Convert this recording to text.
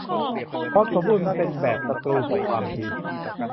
ความสมบูรณ์แบบเป็นศัตรูกับความดี